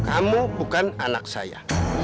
kamu bukan anak saya